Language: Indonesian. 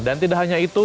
dan tidak hanya itu